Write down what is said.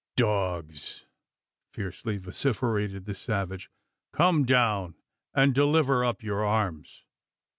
"Dogs!" fiercely vociferated the savage, "come down, and deliver up your arms!"